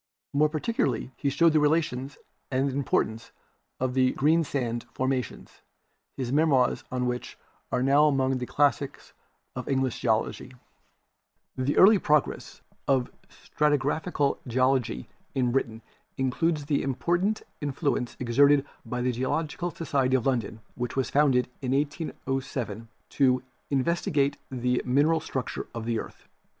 More particularly he showed the rela tions and importance of the Greensand formations, his memoirs on which are now among the classics of English geology. 72 GEOLOGY The early progress of stratigraphical geology in Britain includes the important influence exerted by the Geological Society of London, which was founded in 1807 "to in vestigate the mineral structure of the earth."